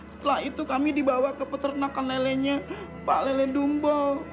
setelah itu kami dibawa ke peternakan lelenya pak lele dumbo